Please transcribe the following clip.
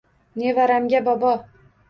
Nevaramga – bobo.